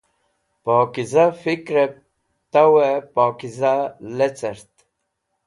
Pokiza fikrẽb to pokiza lecert.